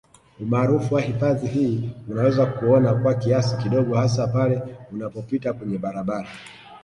Umaarufu wa hifadhi hii unaweza kuuona kwa kiasi kidogo hasa pale unapopita kwenye barabara